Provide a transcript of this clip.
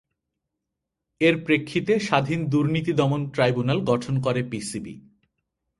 এর প্রেক্ষিতে স্বাধীন দুর্নীতি দমন ট্রাইব্যুনাল গঠন করে পিসিবি।